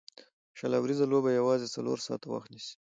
شل اووريزه لوبه یوازي څلور ساعته وخت نیسي.